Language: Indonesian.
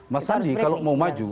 mas sandi kalau mau maju